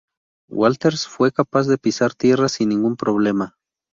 Walters fue capaz de pisar tierra sin ningún problema.